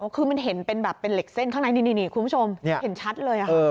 คือมันเห็นเป็นเหล็กเส้นข้างในนี้คุณผู้ชมเห็นชัดเลย